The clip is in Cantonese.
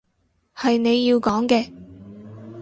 係你要講嘅